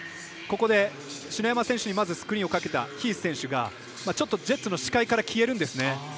ここで篠山選手にスクリーンをかけたヒース選手がちょっとジェッツの視界から消えるんですね。